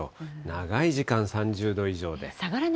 長い時間３０度以上で。